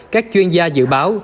các chuyên gia dự báo